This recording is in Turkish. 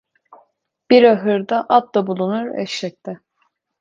Bir ahırda at da bulunur eşek de.